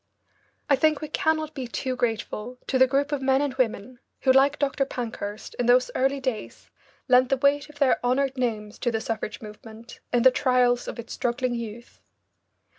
I think we cannot be too grateful to the group of men and women who, like Dr. Pankhurst, in those early days lent the weight of their honoured names to the suffrage movement in the trials of its struggling youth.